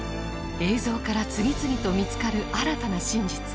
映像から次々と見つかる新たな真実。